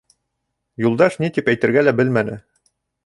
Юлдаш ни тип әйтергә лә белмәне.